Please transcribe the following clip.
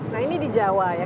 nah ini di jawa ya